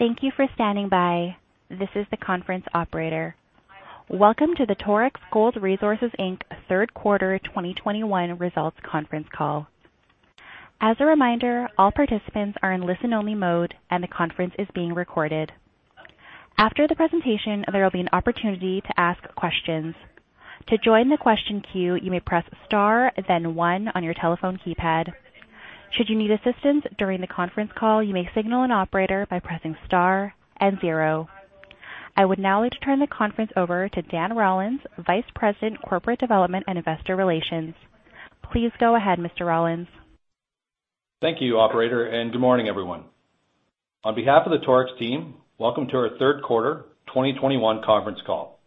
Thank you for standing by. This is the conference Operator. Welcome to the Torex Gold Resources Inc. third quarter 2021 results conference call. As a reminder, all participants are in listen-only mode, and the conference is being recorded. After the presentation, there will be an opportunity to ask questions. To join the question queue, you may press star, then one on your telephone keypad. Should you need assistance during the conference call, you may signal an Operator by pressing star and zero. I would now like to turn the conference over to Dan Rollins, Vice President, Corporate Development and Investor Relations. Please go ahead, Mr. Rollins. Thank you, Operator, and good morning, everyone. On behalf of the Torex team, welcome to our Q3 2021 conference call.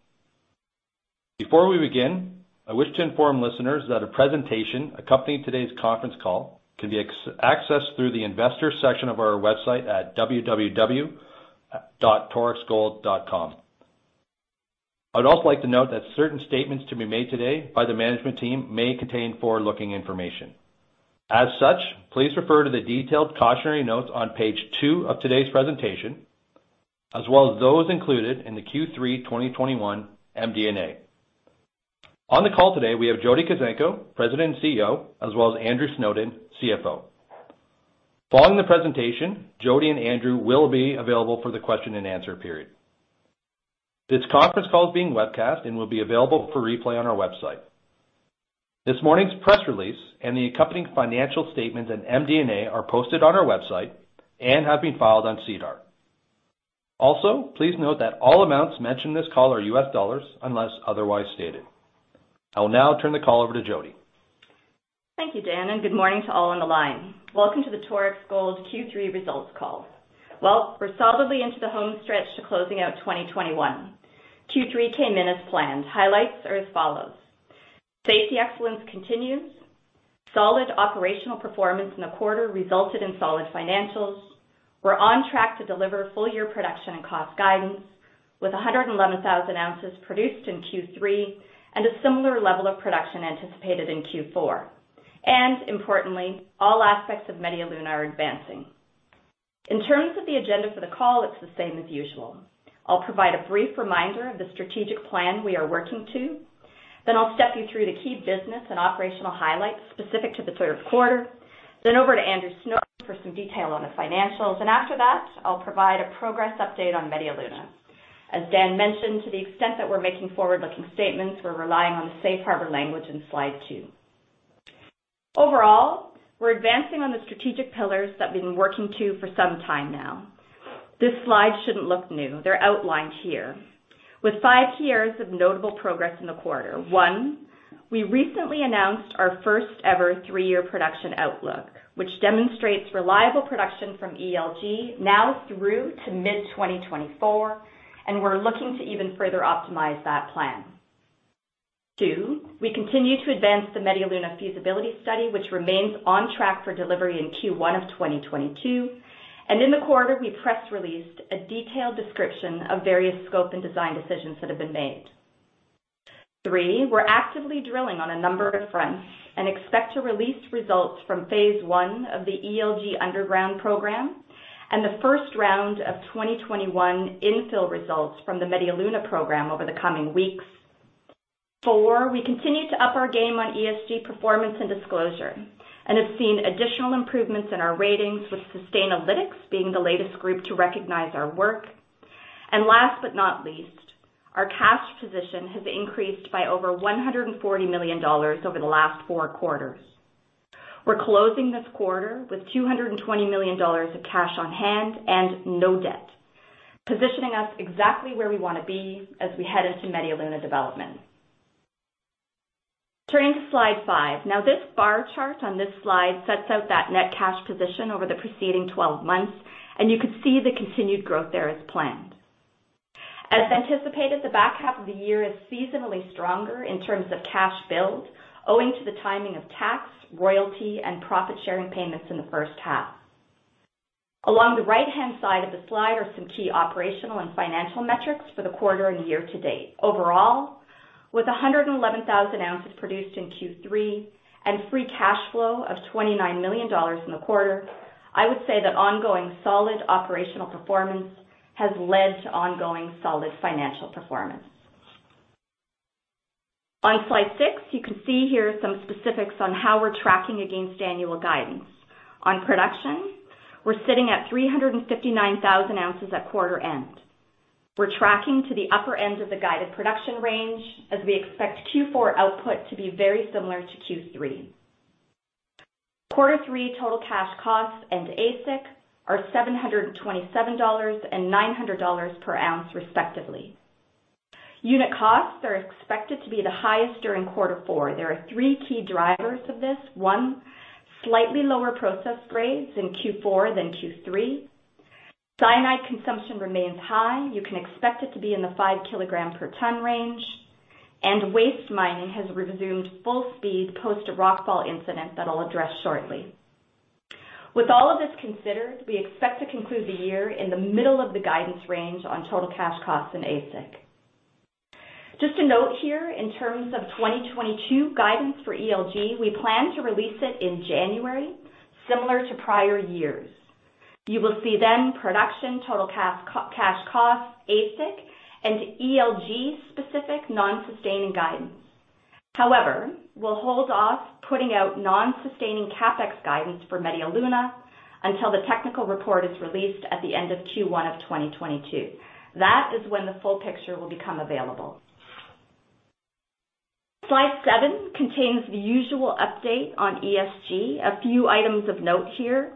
Before we begin, I wish to inform listeners that a presentation accompanying today's conference call can be accessed through the investor section of our website at www.torexgold.com. I'd also like to note that certain statements to be made today by the management team may contain forward-looking information. As such, please refer to the detailed cautionary notes on page two of today's presentation, as well as those included in the Q3 2021 MD&A. On the call today, we have Jody Kuzenko, President and CEO, as well as Andrew Snowden, CFO. Following the presentation, Jody and Andrew will be available for the question-and-answer period. This conference call is being webcast and will be available for replay on our website. This morning's press release and the accompanying financial statements and MD&A are posted on our website and have been filed on SEDAR. Also, please note that all amounts mentioned in this call are US dollars, unless otherwise stated. I will now turn the call over to Jody. Thank you, Dan, and good morning to all on the line. Welcome to the Torex Gold Q3 results call. Well, we're solidly into the home stretch to closing out 2021. Q3 came in as planned. Highlights are as follows. Safety excellence continues. Solid operational performance in the quarter resulted in solid financials. We're on track to deliver full-year production and cost guidance, with 111,000 oz produced in Q3 and a similar level of production anticipated in Q4. Importantly, all aspects of Media Luna are advancing. In terms of the agenda for the call, it's the same as usual. I'll provide a brief reminder of the strategic plan we are working to. I'll step you through the key business and operational highlights specific to the third quarter. Over to Andrew Snowden for some detail on the financials. After that, I'll provide a progress update on Media Luna. As Dan mentioned, to the extent that we're making forward-looking statements, we're relying on the safe harbor language in slide two. Overall, we're advancing on the strategic pillars that we've been working to for some time now. This slide shouldn't look new. They're outlined here with five years of notable progress in the quarter. One, we recently announced our first-ever three-year production outlook, which demonstrates reliable production from ELG now through to mid-2024, and we're looking to even further optimize that plan. Two, we continue to advance the Media Luna feasibility study, which remains on track for delivery in Q1 2022. In the quarter, we press released a detailed description of various scope and design decisions that have been made. Three, we're actively drilling on a number of fronts and expect to release results from phase one of the ELG underground program and the first round of 2021 infill results from the Media Luna program over the coming weeks. four, we continue to up our game on ESG performance and disclosure and have seen additional improvements in our ratings, with Sustainalytics being the latest group to recognize our work. Last but not least, our cash position has increased by over $140 million over the last four quarters. We're closing this quarter with $220 million of cash on hand and no debt, positioning us exactly where we wanna be as we head into Media Luna development. Turning to slide five. Now, this bar chart on this slide sets out that net cash position over the preceding 12 months, and you can see the continued growth there as planned. As anticipated, the back half of the year is seasonally stronger in terms of cash build owing to the timing of tax, royalty, and profit-sharing payments in the first half. Along the right-hand side of the slide are some key operational and financial metrics for the quarter and year to date. Overall, with 111,000 oz produced in Q3 and free cash flow of $29 million in the quarter, I would say that ongoing solid operational performance has led to ongoing solid financial performance. On slide six, you can see here some specifics on how we're tracking against annual guidance. On production, we're sitting at 359,000 oz at quarter end. We're tracking to the upper end of the guided production range as we expect Q4 output to be very similar to Q3. Q3 total cash costs and AISC are $727 and $900 per ounce, respectively. Unit costs are expected to be the highest during quarter four. There are three key drivers of this. One, slightly lower process grades in Q4 than Q3. Cyanide consumption remains high. You can expect it to be in the 5-kg-per-ton range. Waste mining has resumed full speed post a rockfall incident that I'll address shortly. With all of this considered, we expect to conclude the year in the middle of the guidance range on total cash costs and AISC. Just a note here, in terms of 2022 guidance for ELG, we plan to release it in January, similar to prior years. You will see production, total cash costs, AISC, and ELG specific non-sustaining guidance. However, we'll hold off putting out non-sustaining CapEx guidance for Media Luna until the technical report is released at the end of Q1 of 2022. That is when the full picture will become available. Slide seven contains the usual update on ESG. A few items of note here.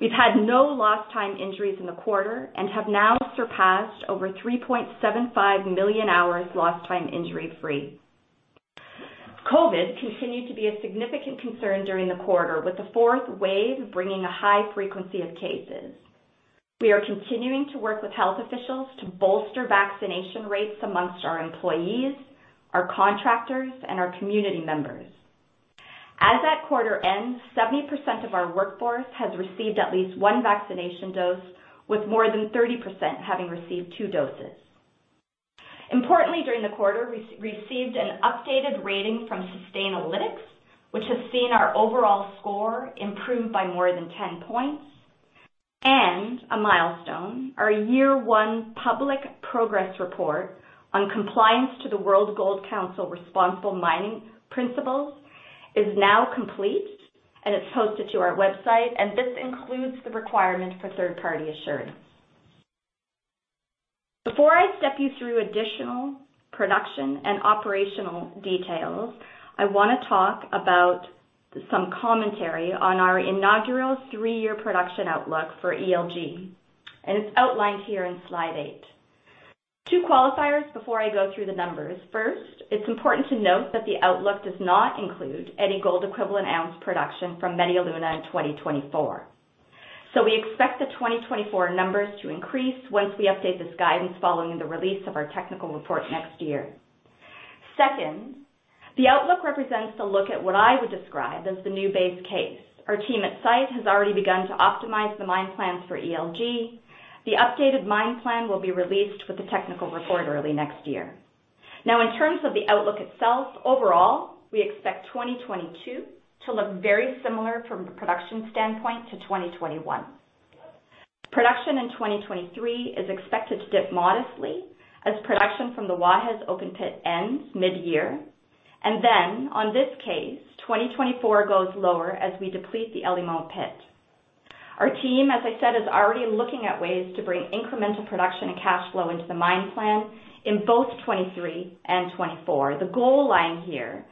We've had no lost time injuries in the quarter and have now surpassed over 3.75 million hours lost time, injury-free. COVID continued to be a significant concern during the quarter, with the fourth wave bringing a high frequency of cases. We are continuing to work with health officials to bolster vaccination rates among our employees, our contractors, and our community members. As that quarter ends, 70% of our workforce has received at least one vaccination dose, with more than 30% having received two doses. Importantly, during the quarter, we received an updated rating from Sustainalytics, which has seen our overall score improve by more than 10 points. A milestone, our year one public progress report on compliance to the World Gold Council Responsible Gold Mining Principles is now complete, and it's posted to our website, and this includes the requirement for third-party assurance. Before I step you through additional production and operational details, I wanna talk about some commentary on our inaugural three-year production outlook for ELG, and it's outlined here in slide eight. Two qualifiers before I go through the numbers. First, it's important to note that the outlook does not include any gold equivalent ounce production from Media Luna in 2024. We expect the 2024 numbers to increase once we update this guidance following the release of our technical report next year. Second, the outlook represents a look at what I would describe as the new base case. Our team at site has already begun to optimize the mine plans for ELG. The updated mine plan will be released with the technical report early next year. Now, in terms of the outlook itself, overall, we expect 2022 to look very similar from a production standpoint to 2021. Production in 2023 is expected to dip modestly as production from the Guajes open pit ends mid-year. Then in this case, 2024 goes lower as we deplete the El Limón pit. Our team, as I said, is already looking at ways to bring incremental production and cash flow into the mine plan in both 2023 and 2024. The goal line here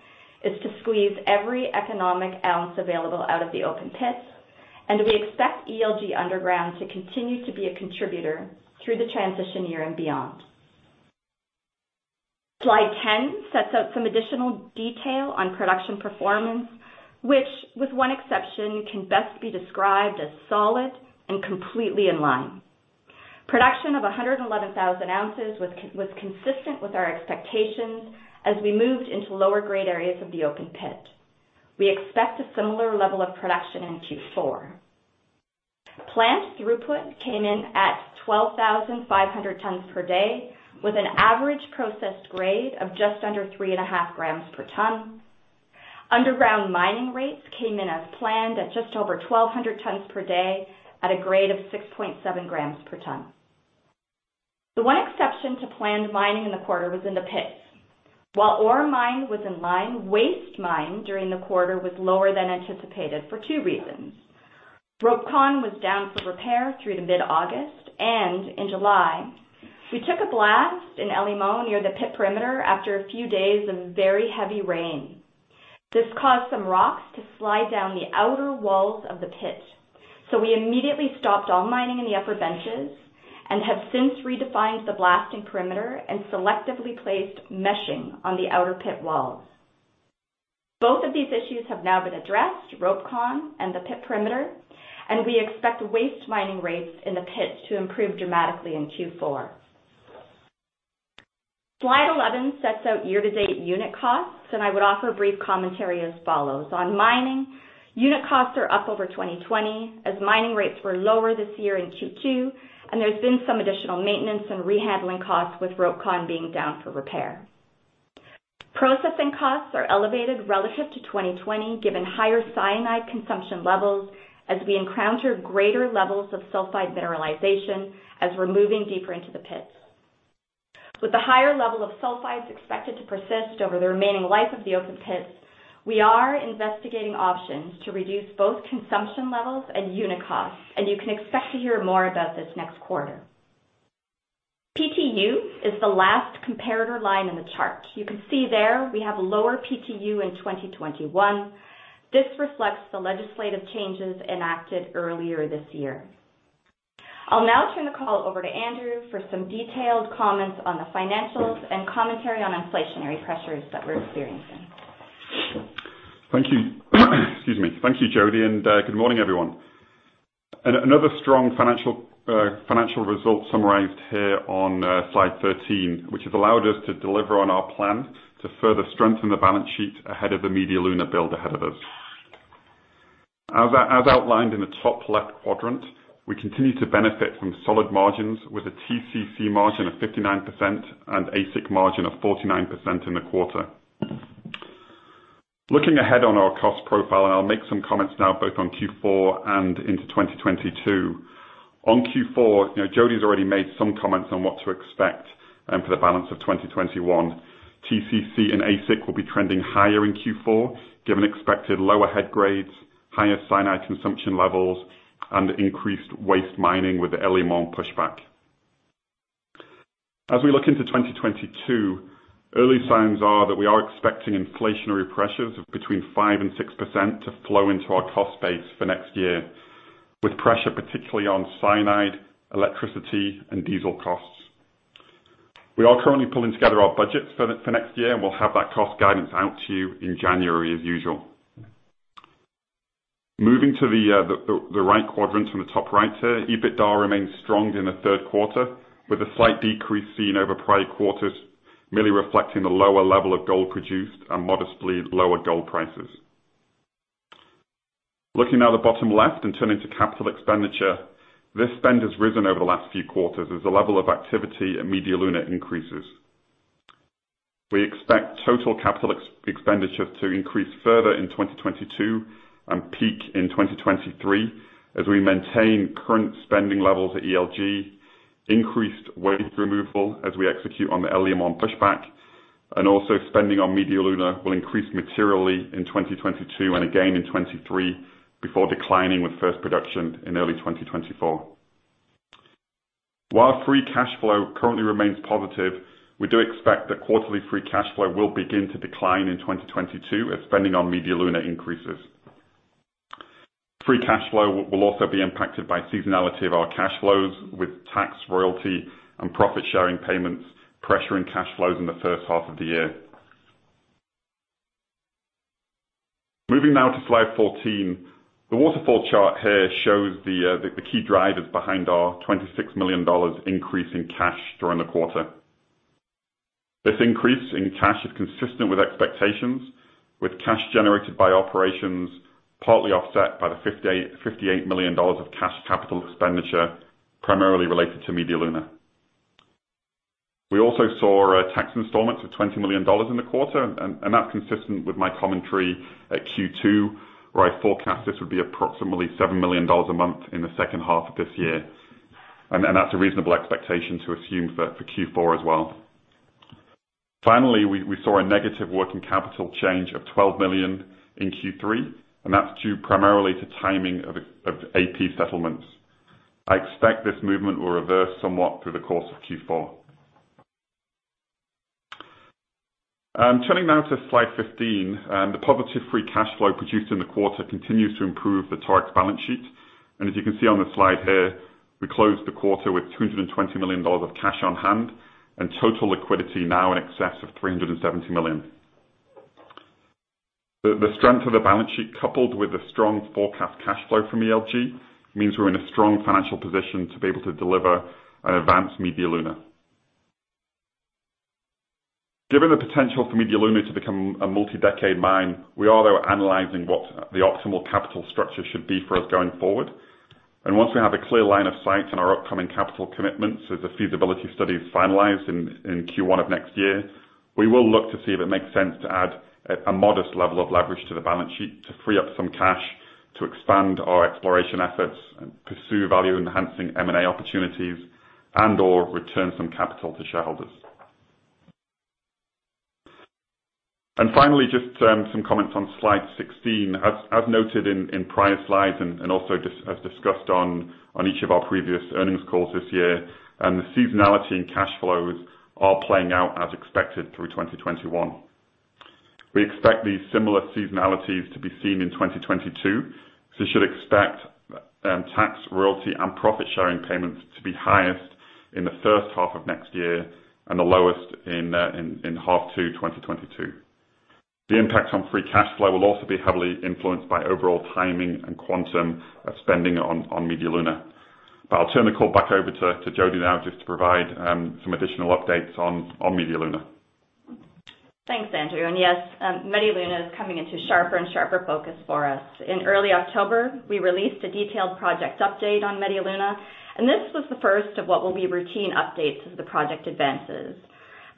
is to squeeze every economic ounce available out of the open pits, and we expect ELG underground to continue to be a contributor through the transition year and beyond. Slide 10 sets out some additional detail on production performance, which with one exception, can best be described as solid and completely in line. Production of 111,000 oz was consistent with our expectations as we moved into lower grade areas of the open pit. We expect a similar level of production in Q4. Plant throughput came in at 12,500 tons per day, with an average processed grade of just under 3.5 g per ton. Underground mining rates came in as planned at just over 1,200 tons per day at a grade of 6.7 g per ton. The one exception to planned mining in the quarter was in the pits. While ore mined was in line, waste mined during the quarter was lower than anticipated for two reasons. RopeCon was down for repair through to mid-August, and in July, we took a blast in El Limón near the pit perimeter after a few days of very heavy rain. This caused some rocks to slide down the outer walls of the pit. We immediately stopped all mining in the upper benches and have since redefined the blasting perimeter and selectively placed meshing on the outer pit walls. Both of these issues have now been addressed, RopeCon and the pit perimeter, and we expect waste mining rates in the pit to improve dramatically in Q4. Slide 11 sets out year-to-date unit costs, and I would offer a brief commentary as follows. On mining, unit costs are up over 2020 as mining rates were lower this year in Q2, and there's been some additional maintenance and rehandling costs with RopeCon being down for repair. Processing costs are elevated relative to 2020, given higher cyanide consumption levels as we encounter greater levels of sulfide mineralization as we're moving deeper into the pits. With the higher level of sulfides expected to persist over the remaining life of the open pits, we are investigating options to reduce both consumption levels and unit costs, and you can expect to hear more about this next quarter. PTU is the last comparator line in the chart. You can see there we have lower PTU in 2021. This reflects the legislative changes enacted earlier this year. I'll now turn the call over to Andrew for some detailed comments on the financials and commentary on inflationary pressures that we're experiencing. Thank you. Excuse me. Thank you, Jody, and good morning, everyone. Another strong financial result summarized here on slide 13, which has allowed us to deliver on our plan to further strengthen the balance sheet ahead of the Media Luna build ahead of us. As outlined in the top left quadrant, we continue to benefit from solid margins with a TCC margin of 59% and AISC margin of 49% in the quarter. Looking ahead on our cost profile, and I'll make some comments now both on Q4 and into 2022. On Q4, Jody's already made some comments on what to expect for the balance of 2021. TCC and AISC will be trending higher in Q4, given expected lower head grades, higher cyanide consumption levels, and increased waste mining with the El Limón pushback. As we look into 2022, early signs are that we are expecting inflationary pressures of between 5%-6% to flow into our cost base for next year, with pressure particularly on cyanide, electricity, and diesel costs. We are currently pulling together our budgets for next year, and we'll have that cost guidance out to you in January as usual. Moving to the right quadrant on the top right here, EBITDA remains strong in the third quarter, with a slight decrease seen over prior quarters, merely reflecting the lower level of gold produced and modestly lower gold prices. Looking now at the bottom left and turning to capital expenditure, this spend has risen over the last few quarters as the level of activity at Media Luna increases. We expect total capital expenditure to increase further in 2022 and peak in 2023 as we maintain current spending levels at ELG, increased waste removal as we execute on the El Limón pushback, and also spending on Media Luna will increase materially in 2022 and again in 2023, before declining with first production in early 2024. While free cash flow currently remains positive, we do expect that quarterly free cash flow will begin to decline in 2022 as spending on Media Luna increases. Free cash flow will also be impacted by seasonality of our cash flows with tax, royalty, and profit-sharing payments, pressuring cash flows in the first half of the year. Moving now to slide 14, the waterfall chart here shows the key drivers behind our $26 million increase in cash during the quarter. This increase in cash is consistent with expectations, with cash generated by operations partly offset by the $58 million of cash capital expenditure primarily related to Media Luna. We also saw tax installments of $20 million in the quarter, and that's consistent with my commentary at Q2, where I forecast this would be approximately $7 million a month in the second half of this year. That's a reasonable expectation to assume for Q4 as well. Finally, we saw a negative working capital change of $12 million in Q3, and that's due primarily to timing of AP settlements. I expect this movement will reverse somewhat through the course of Q4. Turning now to slide 15, the positive free cash flow produced in the quarter continues to improve the Torex balance sheet. As you can see on the slide here, we closed the quarter with $220 million of cash on hand and total liquidity now in excess of $370 million. The strength of the balance sheet, coupled with the strong forecast cash flow from ELG, means we're in a strong financial position to be able to deliver an advanced Media Luna. Given the potential for Media Luna to become a multi-decade mine, we are though analyzing what the optimal capital structure should be for us going forward. Once we have a clear line of sight on our upcoming capital commitments as the feasibility study is finalized in Q1 of next year, we will look to see if it makes sense to add a modest level of leverage to the balance sheet to free up some cash to expand our exploration efforts and pursue value-enhancing M&A opportunities and/or return some capital to shareholders. Finally, just some comments on slide 16. As noted in prior slides and also discussed on each of our previous earnings calls this year, the seasonality and cash flows are playing out as expected through 2021. We expect these similar seasonalities to be seen in 2022, so you should expect tax, royalty, and profit sharing payments to be highest in the first half of next year and the lowest in half two, 2022. The impact on free cash flow will also be heavily influenced by overall timing and quantum of spending on Media Luna. I'll turn the call back over to Jody now just to provide some additional updates on Media Luna. Thanks, Andrew. Yes, Media Luna is coming into sharper and sharper focus for us. In early October, we released a detailed project update on Media Luna, and this was the first of what will be routine updates as the project advances.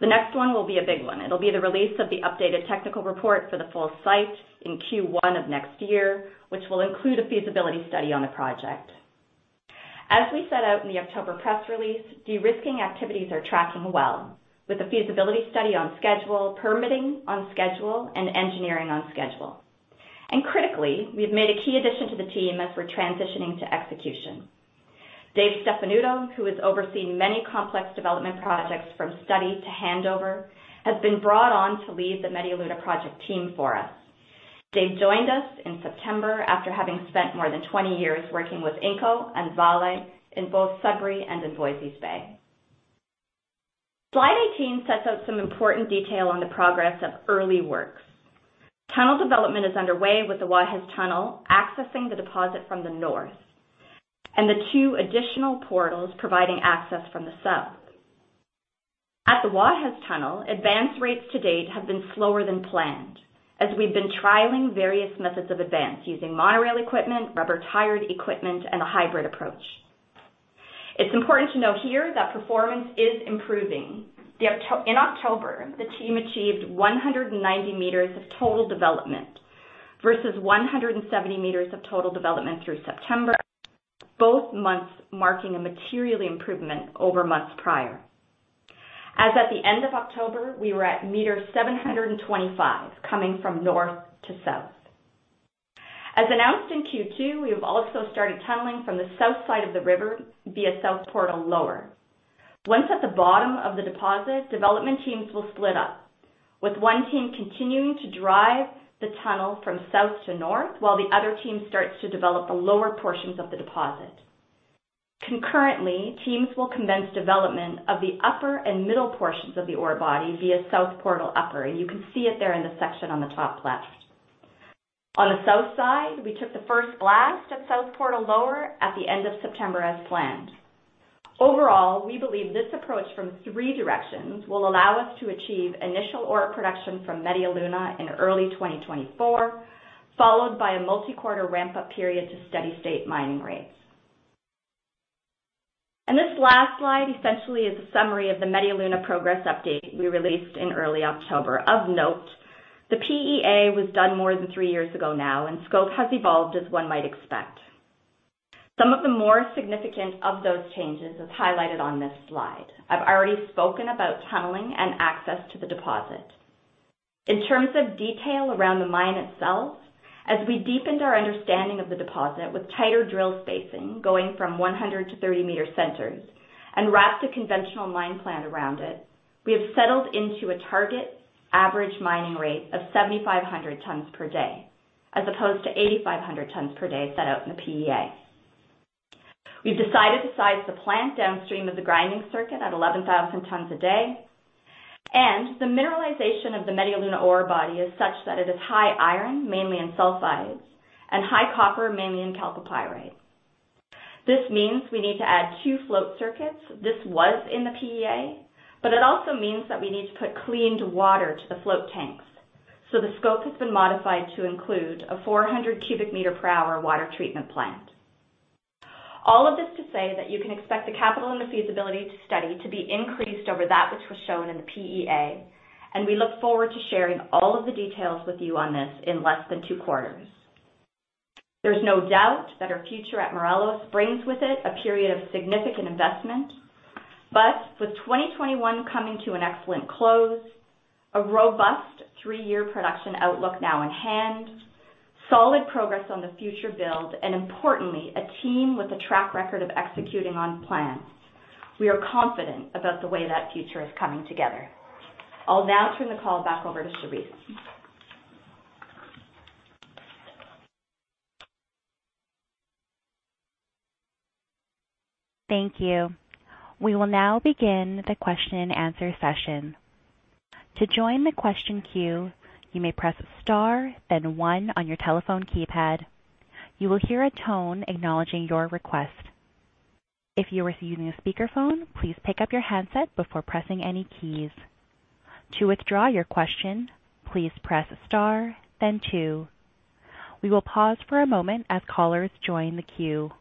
The next one will be a big one. It'll be the release of the updated technical report for the full site in Q1 of next year, which will include a feasibility study on the project. As we set out in the October press release, de-risking activities are tracking well, with the feasibility study on schedule, permitting on schedule, and engineering on schedule. Critically, we've made a key addition to the team as we're transitioning to execution. Dave Stefanuto, who has overseen many complex development projects from study to handover, has been brought on to lead the Media Luna project team for us. Dave joined us in September after having spent more than 20 years working with Inco and Vale in both Sudbury and in Voisey's Bay. Slide 18 sets out some important detail on the progress of early works. Tunnel development is underway with the Guajes Tunnel accessing the deposit from the north, and the two additional portals providing access from the south. At the Guajes Tunnel, advance rates to date have been slower than planned as we've been trialing various methods of advance using monorail equipment, rubber tired equipment, and a hybrid approach. It's important to note here that performance is improving. In October, the team achieved 190 meters of total development versus 170 meters of total development through September, both months marking a material improvement over months prior. As at the end of October, we were at meter 725 coming from north to south. As announced in Q2, we have also started tunneling from the south side of the river via south portal lower. Once at the bottom of the deposit, development teams will split up, with one team continuing to drive the tunnel from south to north while the other team starts to develop the lower portions of the deposit. Concurrently, teams will commence development of the upper and middle portions of the ore body via south portal upper, and you can see it there in the section on the top left. On the south side, we took the first blast at south portal lower at the end of September as planned. Overall, we believe this approach from three directions will allow us to achieve initial ore production from Media Luna in early 2024, followed by a multi-quarter ramp-up period to steady state mining rates. This last slide essentially is a summary of the Media Luna progress update we released in early October. Of note, the PEA was done more than three years ago now, and scope has evolved as one might expect. Some of the more significant of those changes is highlighted on this slide. I've already spoken about tunneling and access to the deposit. In terms of detail around the mine itself, as we deepened our understanding of the deposit with tighter drill spacing going from 100 to 30-meter centers and wrapped a conventional mine plan around it, we have settled into a target average mining rate of 7,500 tons per day, as opposed to 8,500 tons per day set out in the PEA. We've decided to size the plant downstream of the grinding circuit at 11,000 tons a day, and the mineralization of the Media Luna ore body is such that it is high iron, mainly in sulfides, and high copper, mainly in chalcopyrite. This means we need to add two float circuits. This was in the PEA, but it also means that we need to put cleaned water to the float tanks. The scope has been modified to include a 400 cubic meter per hour water treatment plant. All of this to say that you can expect the capital and the feasibility study to be increased over that which was shown in the PEA, and we look forward to sharing all of the details with you on this in less than two quarters. There's no doubt that our future at Morelos brings with it a period of significant investment. With 2021 coming to an excellent close, a robust three-year production outlook now in hand, solid progress on the future build, and importantly, a team with a track record of executing on plans, we are confident about the way that future is coming together. I'll now turn the call back over to Sharise. Thank you. We will now begin the question and answer session. To join the question queue, you may press star then one on your telephone keypad. You will hear a tone acknowledging your request. If you are using a speakerphone, please pick up your handset before pressing any keys. To withdraw your question, please press star then two. We will pause for a moment as callers join the queue.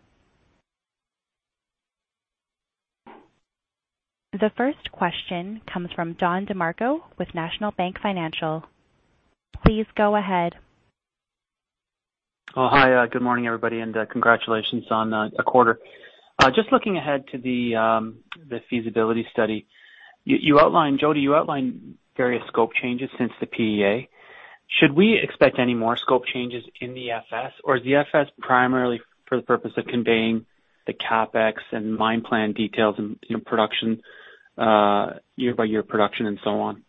The first question comes from Don DeMarco with National Bank Financial. Please go ahead. Oh, hi. Good morning, everybody, and congratulations on a quarter. Just looking ahead to the feasibility study, Jody, you outlined various scope changes since the PEA. Should we expect any more scope changes in the FS or is the FS primarily for the purpose of conveying the CapEx and mine plan details and, you know, production, year-by-year production and so on?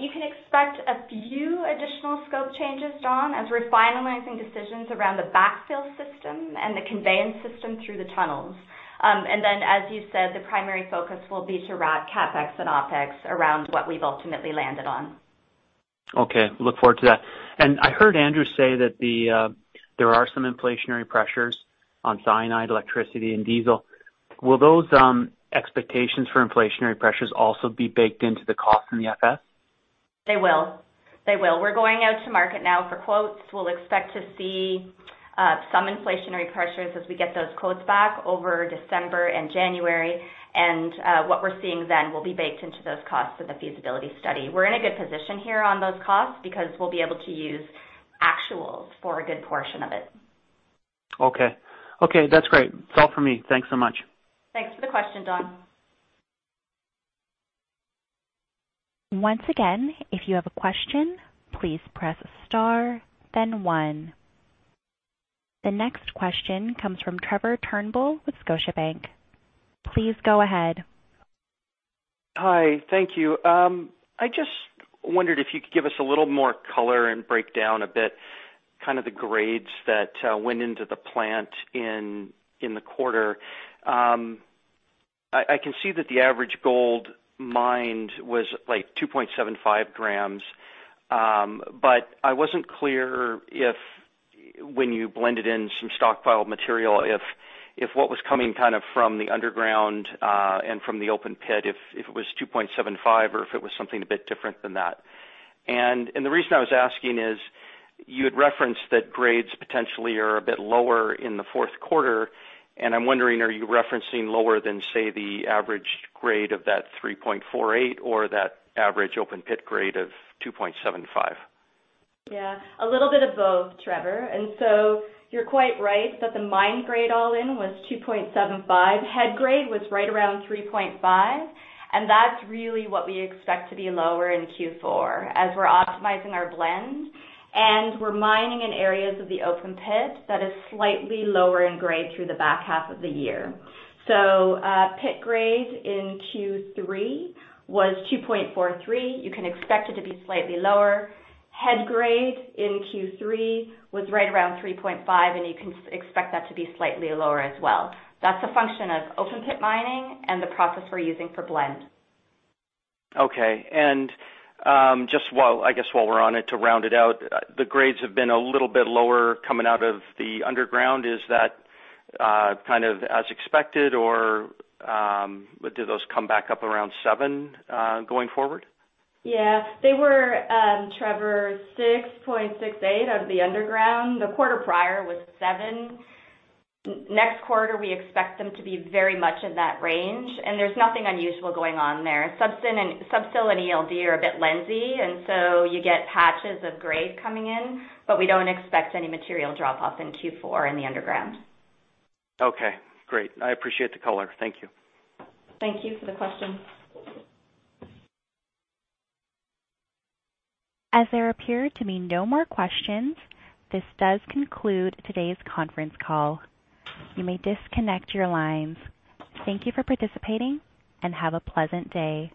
You can expect a few additional scope changes, Don, as we're finalizing decisions around the backfill system and the conveyance system through the tunnels. As you said, the primary focus will be to wrap CapEx and OpEx around what we've ultimately landed on. Okay. Look forward to that. I heard Andrew say that there are some inflationary pressures on cyanide, electricity, and diesel. Will those expectations for inflationary pressures also be baked into the cost in the FS? They will. We're going out to market now for quotes. We'll expect to see some inflationary pressures as we get those quotes back over December and January. What we're seeing then will be baked into those costs of the feasibility study. We're in a good position here on those costs because we'll be able to use actuals for a good portion of it. Okay. Okay, that's great. It's all for me. Thanks so much. Thanks for the question, Don. Once again, if you have a question, please press star then one. The next question comes from Trevor Turnbull with Scotiabank. Please go ahead. Hi. Thank you. I just wondered if you could give us a little more color and breakdown a bit, kind of the grades that went into the plant in the quarter. I can see that the average gold mined was, like, 2.75 g, but I wasn't clear when you blended in some stockpiled material, if what was coming kind of from the underground and from the open pit, if it was 2.75 or if it was something a bit different than that. The reason I was asking is you had referenced that grades potentially are a bit lower in the fourth quarter, and I'm wondering, are you referencing lower than, say, the average grade of that 3.48 or that average open pit grade of 2.75? Yeah, a little bit of both, Trevor. You're quite right that the mine grade all in was 2.75. Head grade was right around 3.5, and that's really what we expect to be lower in Q4 as we're optimizing our blend and we're mining in areas of the open pit that is slightly lower in grade through the back half of the year. Pit grade in Q3 was 2.43. You can expect it to be slightly lower. Head grade in Q3 was right around 3.5, and you can expect that to be slightly lower as well. That's a function of open pit mining and the process we're using for blend. Okay. Just I guess while we're on it to round it out, the grades have been a little bit lower coming out of the underground. Is that kind of as expected or do those come back up around seven going forward? Yeah. They were, Trevor, 6.68 of the underground. The quarter prior was 7. Next quarter, we expect them to be very much in that range, and there's nothing unusual going on there. Sub-sill and ELD are a bit lensy and so you get patches of grade coming in, but we don't expect any material drop off in Q4 in the underground. Okay, great. I appreciate the color. Thank you. Thank you for the question. As there appear to be no more questions, this does conclude today's conference call. You may disconnect your lines. Thank you for participating, and have a pleasant day.